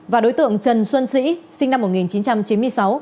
và đối tượng trần xuân sĩ sinh năm một nghìn chín trăm chín mươi sáu